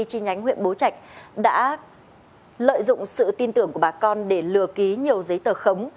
chi nhánh huyện bố trạch đã lợi dụng sự tin tưởng của bà con để lừa ký nhiều giấy tờ khống